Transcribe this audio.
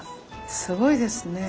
すごいですね。